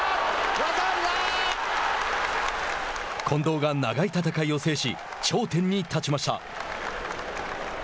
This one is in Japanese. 近藤が長い戦いを制し頂点に立ちました。